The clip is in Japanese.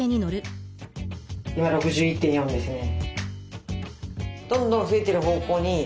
今６１．４ですね。